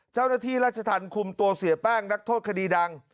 เจ้าหน้าที่ราชธรรมคุมตัวเสียแป้งนักโทษคดีดัง